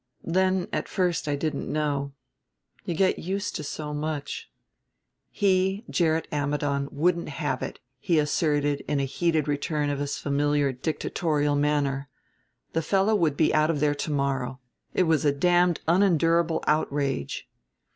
Then, at first, I didn't know. You get used to so much." He, Gerrit Ammidon, wouldn't have it, he asserted in a heated return of his familiar dictatorial manner. The fellow would be out of there to morrow. It was a damned unendurable outrage!